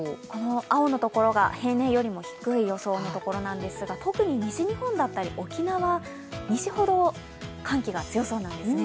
青のところが平年よりも低い予想のところなんですが、特に西日本だったり、沖縄、西ほど、寒気が強そうなんですね。